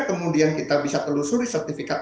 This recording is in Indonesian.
kemudian kita bisa telusuri sertifikat